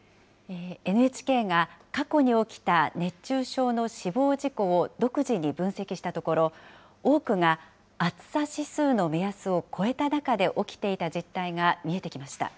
ＮＨＫが過去に起きた熱中症の死亡事故を独自に分析したところ、多くが暑さ指数の目安を超えた中で起きていた実態が見えてきました。